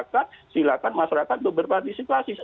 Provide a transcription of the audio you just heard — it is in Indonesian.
silakan masyarakat berpartisipasi